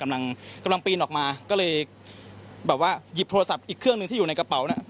กำลังกำลังปีนออกมาก็เลยแบบว่าหยิบโทรศัพท์อีกเครื่องหนึ่งที่อยู่ในกระเป๋าน่ะ